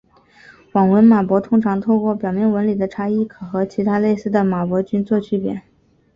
网纹马勃通常透过表面纹理的差异可和其他类似的马勃菌作区别。